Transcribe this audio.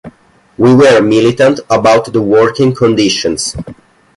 We were militant about the working conditions.